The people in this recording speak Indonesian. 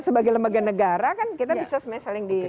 sebagai lembaga negara kan kita bisa sebenarnya saling di